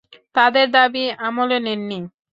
তাদের দাবী আমলে নেননি।